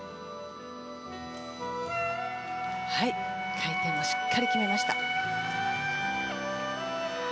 回転もしっかり決めました。